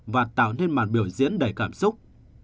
và tạo nên màn biểu diễn đầy cảm xúc